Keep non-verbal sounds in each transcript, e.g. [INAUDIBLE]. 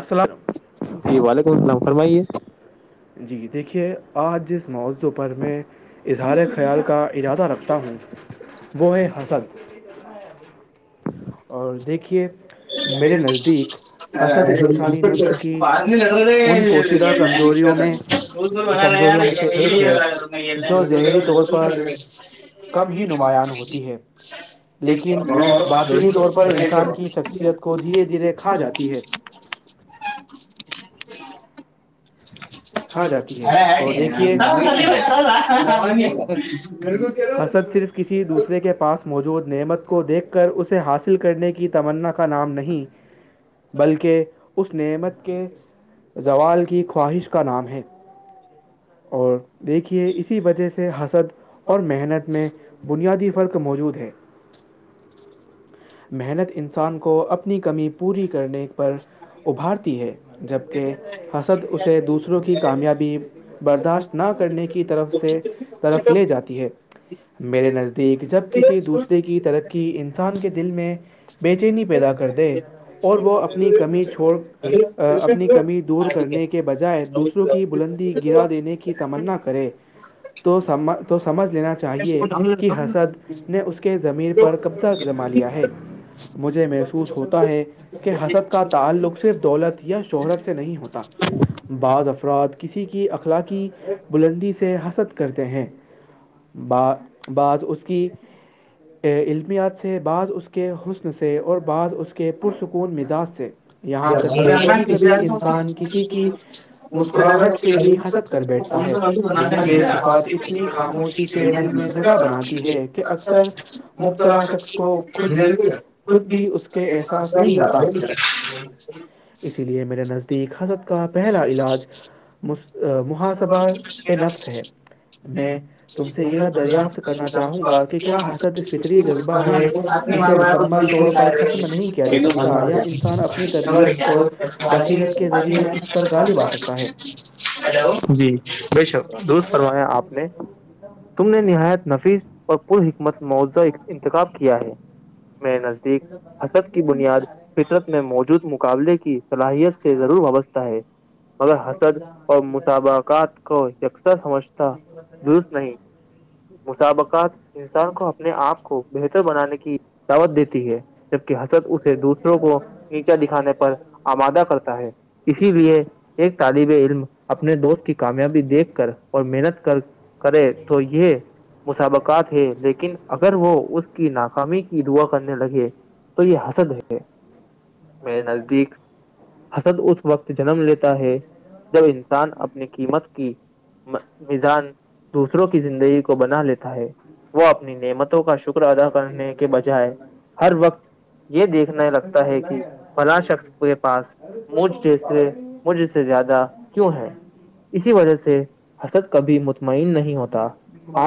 السل جی وعلیکم السلام فرمائیے جی دیکھیے آج جس موضوع پر میں اظہار خیال کا اجازہ رکھتا ہوں وہ ہے حسد اور دیکھیے میرے نزدیک حسد انسانی نفس کی ان پوشش شدہ کمزوریوں میں کمزوریوں میں سے ایک ہے جو ہری طور پر کم ہی نمایاں ہوتی ہے لیکن باطلی طور پر انسان کی شخصیت کو دھیرے دھیرے کھا جاتی ہے کھا ہاں جا جاتی ہے اور دیکھیے حسد صرف کسی دوسرے کے پاس موجود نعمت کو دیکھ کر اسے حاصل کرنے کی تمنا کا نام نہیں بلکہ وہ اس نعمت کے زوال کی خواہش کا نام ہے اور دیکھیے اسی وجہ سے حسد اور محنت میں بنیادی فرق موجود ہے محنت انسان کو اپنی کمی پوری کرنے پر ابھارتی ہے جبکہ حسد اسے دوسروں کی کامیابی برداشت نہ کرنے کی طرف سے طرف لے جاتی ہے میرے نزدیک جب کسی دوسرے کی طرق کہ انسان کے دل میں بے چینی پیدا کر دے اور وہ اپنی کمی چھوڑ اپنی کمی دور کرنے کے بجائے دوسروں کی بلندی گرا دینے کی تمنا کریں تو سمجھ لینا چاہیے کہ حسد نے اس کے زمین پر قبضہ جما لیا ہے مجھے محسوس ہوتا ہے کہ حسد کا تعلق صرف دولت یا شہرت سے نہیں ہوتا بعض افراد کسی کی اخلاقی بلندی سے حسد کرتے ہیں ب بعض اس کی عمیات سے بعض اس کے حسن سے اور بعض اس کے پرسکون مزاج سے یہاں تک کہ کبھی کبھی انسان کسی کی مسکراہٹ سے بھی ہنسد کر بیٹھتا ہے یہ صفات اتنی خاموش سے دل میں جگہ بناتی ہے کہ اکثر مبتلا شخص کو خود خود بھی اس کے احساس نہیں ہوتا اسی لیے میرے نزدیک حضرت کا پہلا علاج محاسبہ ا نفس ہے میں تم سے یہ دریافت کرنا چاہوں گا کہ کیا حسد فطری جذبہ ہے اسے مکمل طور پر ختم کیا جا سکتا یا انسان اپنی نہیں تربیت اور بصیرت کے ذریعے اس پر غالب آ سکتا ہے جی بے شک دھ فرمایا آپ نے تم نے نہایت نفیس پر پر حکمت موضہ انتخاب کیا ہے میں نزدیک حسد کی بنیاد فطرت میں موجود مقابلے کی صلاحیت سے ضرور وابستہ ہے مگر حسد اور مسابقات کو یکسر سمجھتا درست نہیں مسابقات انسان کو اپنے آپ کو بہتر بنانے کی دعوت دیتی ہے جبک حسد اسے دوسروں کو نیچا دکھانے پ پر آمادہ کرتا ہے اسی لیے ایک طالب علم اپنے دوست کی کامیابی دیکھ کر اور محنت کر کرے تو یہ مسابقات ہے لیکن اگر وہ اس کی ناکامی کی دعا کرنے لگے تو یہ حسد ہے میرے نزدیک حسد اس وقت جنم لیتا ہے جب انسان اپنی قیمت کی میزان دوسروں کی زندگی کو بنا لیتا ہے وہ اپنی نعمتوں کا شکر ادا کرنے کے بجائے ہر وقت [INAUDIBLE] یہ دیکھنے لگتا ہے کہ بلا شک پورے پاس مجھ جیسے مجھس سے زیادہ کیوں ہے اسی وجہ سے حسد کبھی مطمئن نہیں ہوتا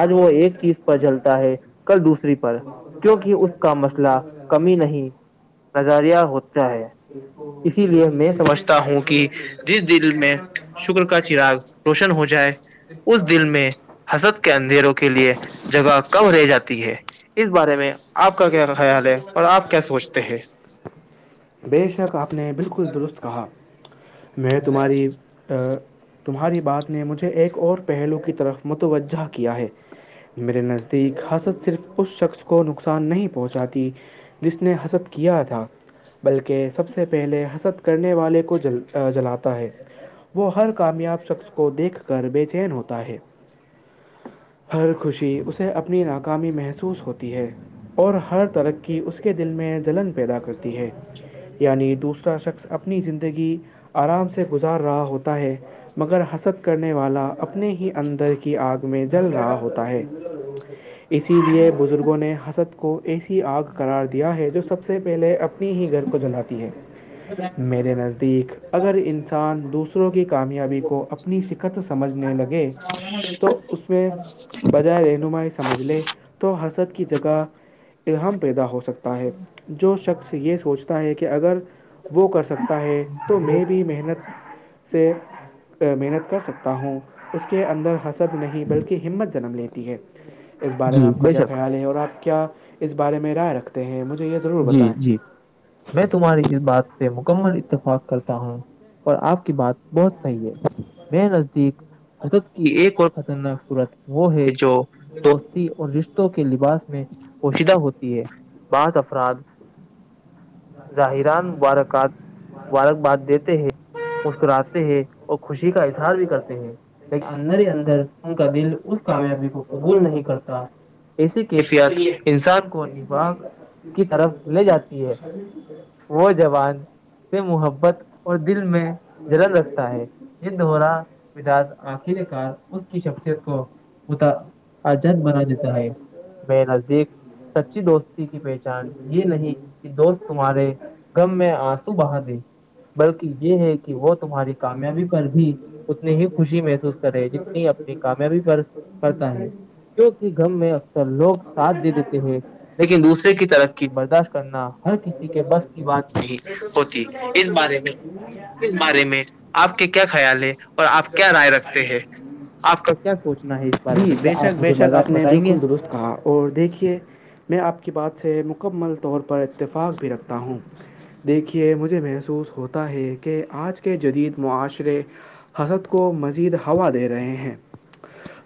آج وہ ایک چیز پر جلتا ہے کل دوسری پر کیونکہ اس کا مسئلہ با کمی نہیں نظارہ ہوتا ہے اسی لیے میں سمجھتا ہوں کہ جس دل میں [UNINTELLIGIBLE] شکر کا چراغ روشن ہو جائے اس دل میں حسد [UNINTELLIGIBLE] کے اندھیروں کے لیے جگہ کم رہ جاتی ہے اس بارے میں آپ کا کیا خیال ہے اور آپ کیا سوچتے ہیں بے شک آپ نے بالکل درست کہا میں تمہاری تمہاری بات نے مجھے ایک اور پہلو کی طرف متوجہ کیا ہے میرے نزدیک حسد صرف اس شخص کو نقصان نہیں پہنچاتی جس نے حسب کیا تھا بلکہ سب سے پہلے حسد کرنے والے کو جل جلاتا ہے وہ ہر کامیاب شخص کو دیکھ کر بے چین ہوتا ہے ہر خوشی اسے اپنی ناکامی محسوس ہوتی ہے اور ہر ترقی اس کے دل میں جلن پیدا کرتی ہے یعنی دوسرا شخص اپنی زندگی آرام سے گزار رہا ہوتا ہے مگر حسد کرنے والا اپنے ہی اندر کی آگ میں جل رہا ہوتا ہے اسی لیے بھ بزرگوں نے حسد کو ایسی آگ قرار دیا ہے جو سب سے پہلے اپنی ہی گھر کو جلاتی ہے میرے نزدیک اگر انسان دوسروں کی کامیابی کو اپنے اپنی شکت سمجھنے لگے تو ہاں اس میں بجائے رہنمائی سمجھ لے تو حسد کی جگہ اام پیدا ہو سکتا ہے جو شخص یہ سوچتا ہے کہ اگر وہ کر سکتا ہے تو میں بھی محنت سے محنت کر سکتا ہوں اس کے اندر حسد نہیں بلکہ ہمت جنم لیتی ہے اس بارے میں جی آپ کا بے کیا شک خیال ہے اور آپ کیا اس بارے میں رائے رکھتے ہیں مجھے یہ ضرور جی بتائیں جی میں تمہاری اس بات پہ مکمل اتفاق کرتا ہوں اور آپ کی بات بہت صحیح ہے میں نزدیک حجک کی ایک اور خطرناک صورت وہ ہے جو دوستی رشتوں کے لباس میں پوشیدہ ہوتی ہے بعض افراد ظاہران مبارکاد مبارکباد دیتے ہیں مسکراتے ہیں اور خوشی کا اظہار بھی کرتے ہیں لیکن اندر ہی اندر ان کا دل اس کامیابی کو قبول نہیں کرتا ایسیے کیفیات انسان کو نہیں با طرحلے جاتی ہے وہ جوان محبت اور دل میںتا ہے یہ دورہ مجاج آخر کار اس کی شخصیت کو ات اجن بنا دیتا ہے میں نزدیک سچی دوستی کی بیٹی یہ نہیں کہ دوست تمہارے غم میں آنسو بہا دے بلکہ یہ ہے کہ وہ تمہاری کامیابی پر بھی اتنی ہی خوشی محسوس کر رہے جتنی اپنی کامیابی پر کرتا ہے کیونکہ ھر غم میں اکثر لوگ لوتے ساتھ دے دیتے ہیں لیکن دوسرے کی طرف کی برداشت کرنا ہر کسی کے بس کی بات نہیں ہوتی اس بارے میں اس بارے میں آپ کے کیا خیال ہے اور آپ کیا رائے رکھتے ہیں آپ کا کیا سوچنا ہے بارے میں کیا آپ مجھے ش آپ نے بتائیں بالکل گے درست کہا اور دیکھیے میں آپ کی بات سے مکمل طور پر اتفاق بھی رکھتا ہوں دیکھیے مجھے محسوس ہوتا ہے کہ آج کے جدید معاشرے حسد کو مزید ہوا دے رہے ہیں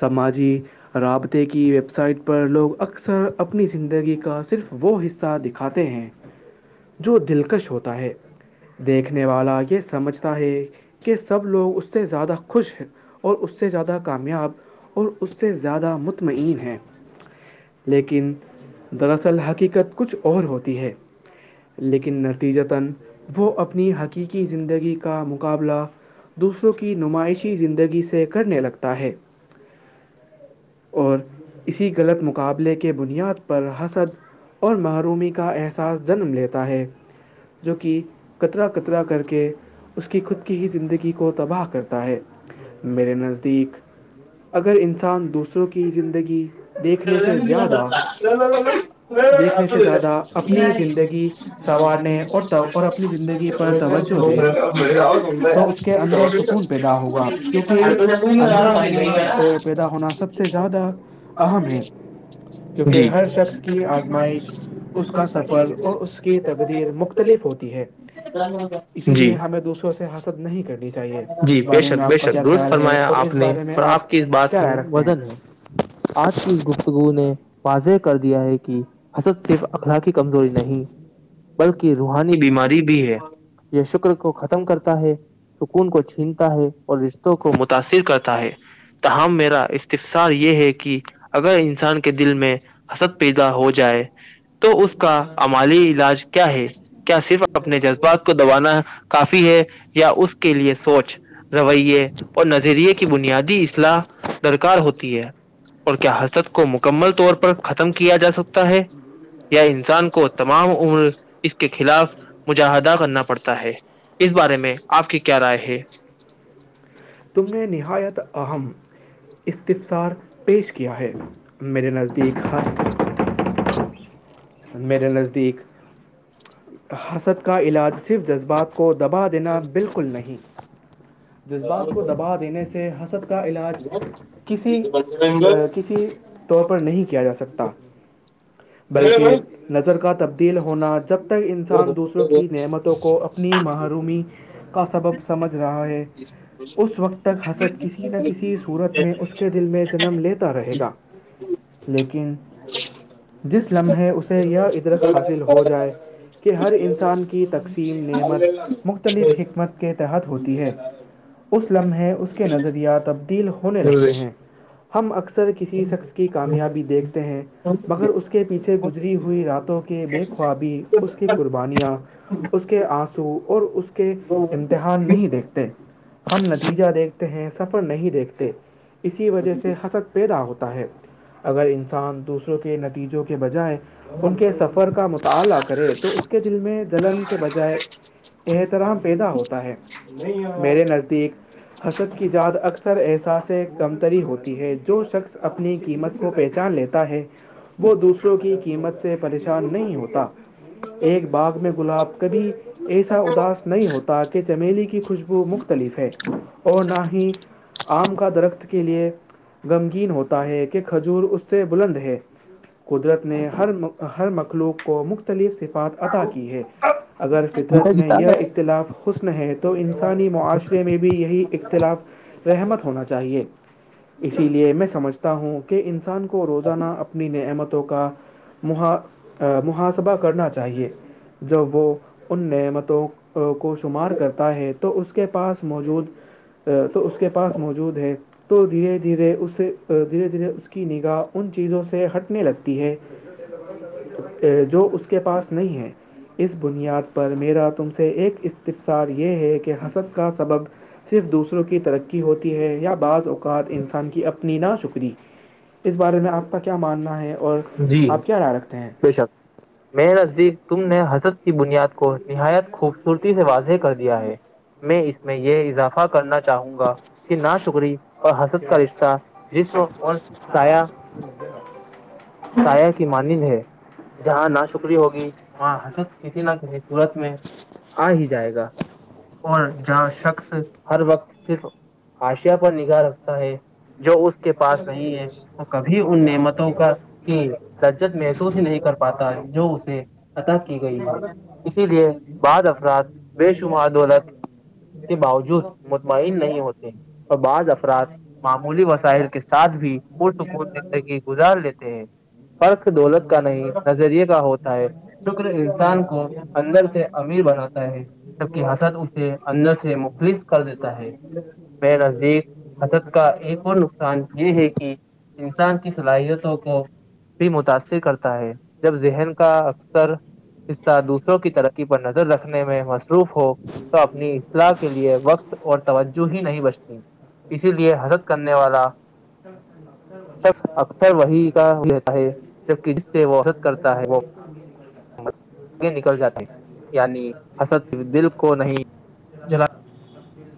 سماجی رابطے کی ویب سائٹ پر لوگ اکثر اپنی زندگی کا صرف وہ حصہ دکھ کھاتے ہیں جو دلکش ہوتا ہے دیکھنے والا یہ سمجھتا ہے کہ سب لوگ اس سے زیادہ خوش ہیں اور اس سے زیادہ کامیاب اور اس سے زیادہ مطمئن ہیں لیکن دراصل حقیقت کچھ اور ہوتی ہے لیکن نتیجتا وہ اپنی حقیقی زندگی کا مقابلہ دوسروں کی نمائشی زندگی سے کرنے لگتا ہے اور اسی غلط مقابلے کے بنیاد پر حسر اور محرومی کا احساس جنم لیتا ہے جو کہ قطرا قطرا کر کے اس کی خود کی ہی زندگی کو تباہ کرتا ہے میرے نزدیک اگر انسان دوسروں کی زندگی دیکھنے سے زیادہ دیکھنے سے زیادہ اپنی زندگی سنوارنے اور اور اپنی زندگی پر توجہ دے تو اس کے اندر سکون پیدا ہوگا کیونکہ اندر سکون پیدا ہونا سب سے زیادہ اہم ہے کیونکہ ہر شخص کی آزمائش اس کا سفر اور اس کے کی تقدیر مختلف ہوتی ہے اسی لیے جی ہمیں دوسروں سے حاسل نہیں کرنی چاہیے جی اس بے بارے میں شک آپ بے کا کیا شک درست خیال ہے فرمایا اور آپ اس نے بارے میں اور آپ کی اس کیا بات رائے میں رکھتے ہیں وزن ہے آج کی اس گپتگو نے واضح کر دیا ہے کہ حسد صرف اخلاقی کمزوری نہیں بلکہ روحانی بیماری بھی ہے یہ شکر کو ختم کرتا ہے سکون کو چھینتا ہے اور رشتوں کو متاثر کرتا ہے تاہم میرا استفصار یہ ہے کہ کہ اگر انسان کے دل میں حسد پیدا ہو جائے تو اس کا امالی علاج کیا ہے کیا صرف اپنے جذبات کو دبانا کافی ہے یا اس کے لیے سوچ رویے اور نظریے کی بنیادی اصلاح درکار ہوتی ہے اور کیا حرت کو مکمل طور پر ختم کیا جا سکتا ہے یا انسان کو تمام عمر اس کے خلاف مجاہدہ کرنا پڑتا ہے اس بارے میں آپ کی کیا رائے ہے تم نے نہایت اہم استفسار پیش کیا ہے میرے نزدیک ہات میرے نزدیک حسد کا علاج صرف جذبات کو دبا دینا بالکل نہیں جذبات کو دبا دینے سے حسد کا علاج کسی کسی ط پر نہیں کیا جا سکتا بلکہ نظر کا تبدیل ہونا جب تک انسان دوسروں کی نعمتوں کو اپنی محرومی کا سبب سمجھ رہا ہے اس وقت تک حسد کسی نہ کسی صورت میں اس کے دل میں جنم لیتا رہے گا لیکن جس لمحے اسے یہ ادرک حاصل ہو جائے کہ ہر انسان کی تقسیم نعمت مختلف حکمت کے تحت ہوتی ہے اس لمحے اس کے نظریہ تبدیل ہونے لگتے ہیں ہم اکثر کسی شخص کی کامیابی دیکھتے ہیں مگر اس کے پیچھے گز ری ہوئی راتوں کے بے خوابی اس کی قربانیاں اس کے آنسو اور اس کے امتحان نہیں دیکھتے ہم نتیجہ دیکھتے ہیں سفر نہیں دیکھتے اسی وجہ سے حسد پیدا ہوتا ہے اگر انسان دوسروں کے نتیجوں کے بجائے ان کے سفر کا مطالعہ کرے تو اس کے دل میں جلن کے بجائے احترام پیدا ہوتا ہے میرے نزدیک حسد کی اد اکثر احساس کمتری ہوتی ہے جو شخص اپنی قیمت کو پہچان لی ہے وہ دوسروں کی کیا قیمت سے پریشان نہیں ہوتا ایک باغ میں گلاب کبھی ایسا اداس نہیں ہوتا کہ چمییلی کی خوشبو مختلف ہے اور نہ ہی آم کا درخت کے لیے غمگین ہوتا ہے کہ کھجور اس سے بلند ہے قدرت نے ہر مخلوق کو مختلف صفات ادا کی ہے اگر فطرت میں یہ اختلاف حسن ہے تو انسانی معاشرے میں بھی یہی اختلاف رحمت ہونا چاہیے اسی لیے میں سمجھتا ہوں کہ انسان کو روزانہ اپنی نعمتوں کا محا محاسبہ کرنا چاہیے جب وہ ان نعمتوں کو شمار کرتا ہے تو اس کے پاس موجود تو اس کے پاس موجود ہے تو دھیرے دھیرے اس سے دھیرے دھیرے اس کی نگاہ ان چیزوں سے ہٹنے لگتی ہے [UNINTELLIGIBLE] جو اس کے پاس نہیں ہے اس بنیاد پر میرا تم سے ایک استفسار یہ ہے کہ حسد کا سبب صرف دوسروں کی ترقی ہوتی ہے یا بعض اوقات انسان کی اپنی نہ شکری اس بارے میں آپ کا کیا ماننا ہے اور جی آپ کیا رائے رکھتے ہیں بے شک میرے نزدیک تم نے حضرت کی بنیاد کو نہایت خوبصورتی سے واضح کر دیا ہے میں اس میں یہ اضافہ کرنا چاہوں گا کہ نا شکری اور حسد کا رشتہ د ش جسم اور آھایا سایا کی مانند ہے جہاں نا شکری ہوگی وہاں حرت کسی نہ کسی صورت میں آ ہی جائے گا اور جہاں شخص ہر وقت صرف آشیا پر نگاہ رکھتا ہے جو اس کے پاس نہیں ہے تو کبھی ان نعمتوں کا کی لجت محسوس ہی نہیں کر پاتا جو اسے عطا کی گئی ہے اسی لیے بعض افراد بے شمار دولت کے باوجود مطمئن نہیں ہوتے اور بعض افراد معمولی وسائل کے ساتھ بھی پرسکون زندگی گزار لیتے ہیں فرق دولت کا نہیں نظریے کا ہوتا ہے شکر انسان کو اندر سے امیر بناتا جبک حسد اسے اندر سے مخلف کر دیتا ہے بے نزدیک حسد کا ایک اور نقصان یہ ہے کہ انسان کی صلاحیتوں کو بھی متاثر کرتا ہے جب ذہن کا اکثر حصہ دوسروں کی ترقی پر ن رکھنے میں مصروف ہو تو اپنی اصلاح کے لیے وقت اور توجہ ہی نہیں بچتی اسی لیے حرت کرنے والا شخص اکثر وہی کا ہے جبکہ جس سے وہ حسد کرتا ہے وہ [INAUDIBLE] اد دل کو نہیں جلا [INAUDIBLE]